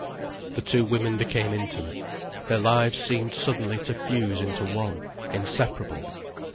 The two women became intimate. Their lives seemed suddenly to fuse into one, inseparable.